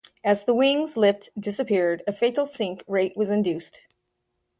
As the wings' lift disappeared, a fatal sink rate was induced.